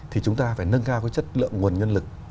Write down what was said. thì chúng ta phải nâng cao cái chất lượng nguồn nhân lực